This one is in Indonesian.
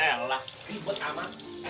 elah ribet sama